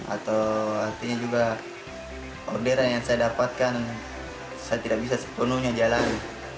atau artinya juga orderan yang saya dapatkan saya tidak bisa sepenuhnya jalan